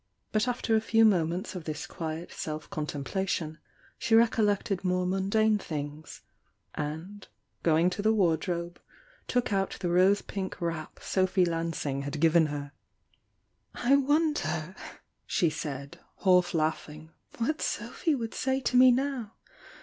But after a few moments of this quiet self contemplation, she rec ollected more mundane things, and going to the wardrobe, took out the rose pink wrap Sophy Lan sing had given her. "I wonder," she said, half laughing, "what Sophy would say to me now!